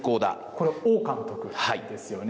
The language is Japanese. これ、王監督ですよね。